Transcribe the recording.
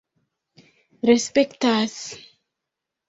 respektas